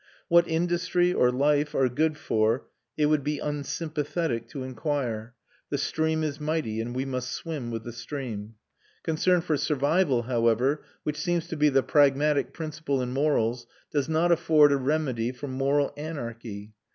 What industry or life are good for it would be unsympathetic to inquire: the stream is mighty, and we must swim with the stream. Concern for survival, however, which seems to be the pragmatic principle in morals, does not afford a remedy for moral anarchy.